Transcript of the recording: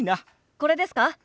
これですか？